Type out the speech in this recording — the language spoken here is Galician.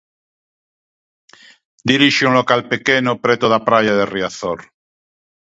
Dirixe un local pequeno preto da praia de Riazor.